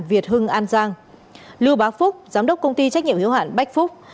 việt hưng an giang lưu bác phúc giám đốc công ty trách nhiệm hữu hạn bách phúc